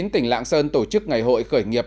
tỉnh lạng sơn tổ chức ngày hội khởi nghiệp